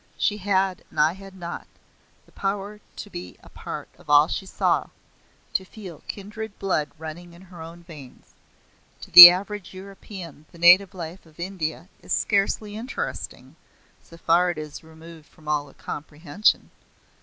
She had and I had not, the power to be a part of all she saw, to feel kindred blood running in her own veins. To the average European the native life of India is scarcely interesting, so far is it removed from all comprehension.